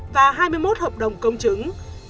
và hai mươi một hợp đồng công chứng